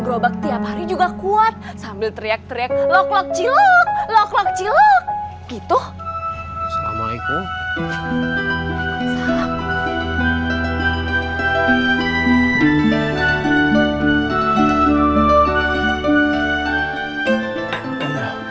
berobat tiap hari juga kuat sambil teriak teriak loklok cilok loklok cilok gitu selama alaikum